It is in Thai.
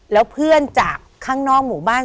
แล้วเพื่อนจากข้างนอกหมู่บ้าน